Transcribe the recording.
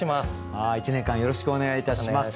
１年間よろしくお願いいたします。